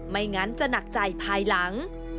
ไม่งั้นจะหนักใจภายหลัง